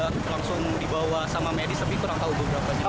ada beberapa yang sudah langsung dibawa sama medis tapi kurang tahu beberapa